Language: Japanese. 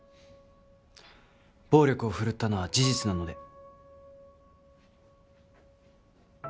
暴力を振るったのは事実なので。